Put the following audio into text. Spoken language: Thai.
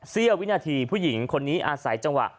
เสี้ยววินาทีผู้หญิงคนนี้อาศัยจังหวะ